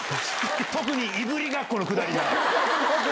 特にいぶりがっこのくだりが。